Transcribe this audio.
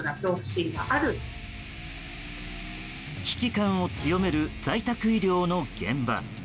危機感を強める在宅医療の現場。